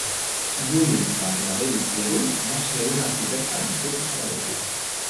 Juli Batllevell i Arús va ser un arquitecte nascut a Sabadell.